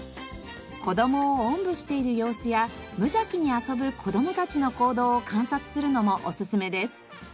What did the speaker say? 子供をおんぶしている様子や無邪気に遊ぶ子供たちの行動を観察するのもおすすめです。